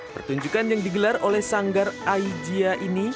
pertunjukan yang digelar oleh sanggar aijia ini